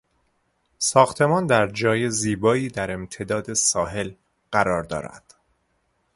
ساختمان در جای زیبایی در امتداد ساحل قرار دارد.